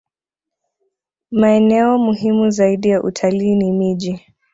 Maeneo muhimu zaidi ya utalii ni miji